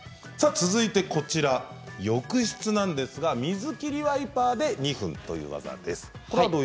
そして浴室なんですが水切りワイパーで２分という技です。